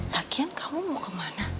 lagian kamu mau kemana